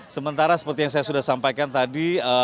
sementara seperti yang saya sudah sampaikan tadi